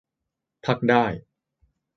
พักได้